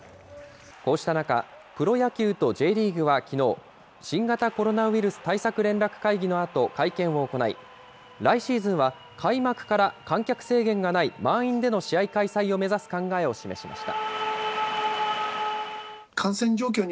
こうした中、プロ野球とＪリーグはきのう、新型コロナウイルス対策連絡会議のあと会見を行い、来シーズンは開幕から、観客制限がない満員での試合開催を目指す考えを示しました。